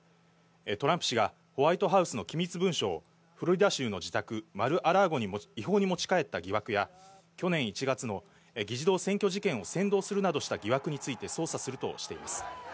トランプ氏がホワイトハウスの機密文書をフロリダ州の自宅、マル・ア・ラーゴに違法に持ち帰った疑惑や、去年１月の議事堂占拠事件を扇動するなどした疑惑について捜査するとしています。